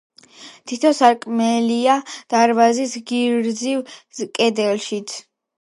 თითო სარკმელია დარბაზის გრძივ კედლებშიც.